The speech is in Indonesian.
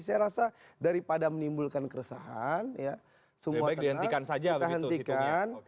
saya rasa daripada menimbulkan keresahan semua kena kita hentikan